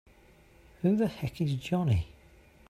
Who the heck is Johnny?!